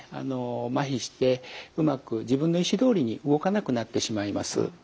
まひしてうまく自分の意思どおりに動かなくなってしまいます。